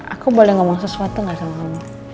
aku boleh ngomong sesuatu gak sama kamu